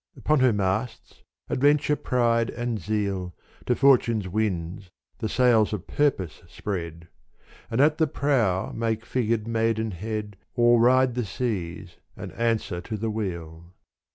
Upon her masts, adventure, pride and zeal, To fortune's wind the sails of purpose spread : And at the prow make figured maidenhead O'er ride the seas and answer to the wheel.